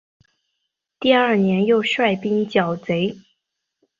第二年又率兵剿贼。